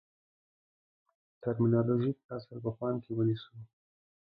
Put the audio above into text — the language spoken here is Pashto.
ټرمینالوژیک اصل په پام کې ونیسو.